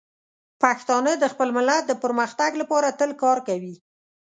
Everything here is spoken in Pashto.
پښتانه د خپل ملت د پرمختګ لپاره تل کار کوي.